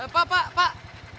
pak pak pak